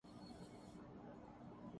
عمران بھائی کمال کے ایکڑ